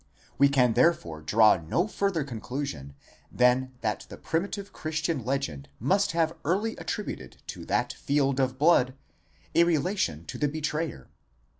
We can therefore draw no further conclusion than that the primitive Christian legend must have early attributed to that field of blood a relation to the betrayer.